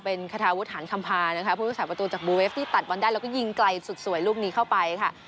เป็นคาทาวุฒหารคำพานะคะผู้รักษาประตูจากบูเวฟที่ตัดบอลได้แล้วก็ยิงไกลสุดสวยลูกนี้เข้าไปค่ะ